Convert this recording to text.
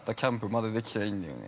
まだできてないんだよね。